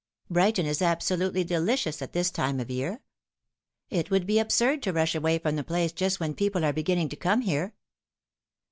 Brighton is absolutely delicious at this time of the year. It would be absurd to rush away from the place just when people are beginning to come here."